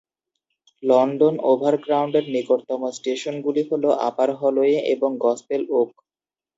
London ওভারগ্রাউন্ডের নিকটতম স্টেশনগুলি হল "আপার হলওয়ে" এবং "গসপেল ওক"